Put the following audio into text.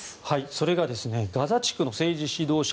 それがガザ地区の政治指導者